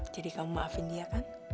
jadi kamu maafin dia kan